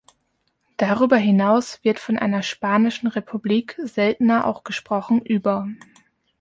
Darüber hinaus wird von einer „spanischen Republik“ seltener auch gesprochen über